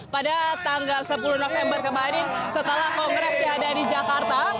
pada tanggal sepuluh november kemarin setelah kongres diada di jakarta